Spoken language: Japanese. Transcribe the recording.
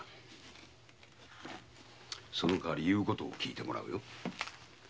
そのかわり言うことを聞いてもらうよ。